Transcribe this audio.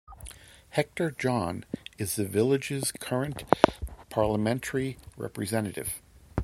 Hector John is the village's current parliamentary representative.